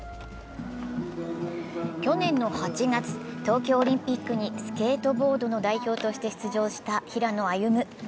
去年の８月、東京オリンピックにスケートボードの代表として出場した平野歩夢。